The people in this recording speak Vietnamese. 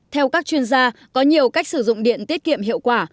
theo các chuyên gia có nhiều cách sử dụng điện tiết kiệm hiệu quả